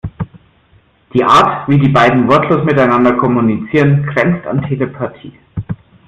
Die Art, wie die beiden wortlos miteinander kommunizieren, grenzt an Telepathie.